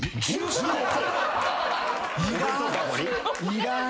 いらん。